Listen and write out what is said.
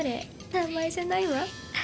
名前じゃないわ。